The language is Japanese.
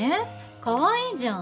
かわいいじゃん